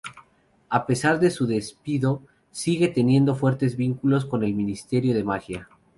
A pesar de su despido, sigue teniendo fuertes vínculos con el Ministerio de Magia.